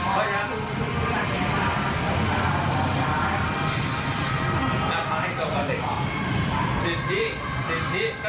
แต่อย่าลุกนะลูกว่าถ้าลูกแบบช่วงนักเรียน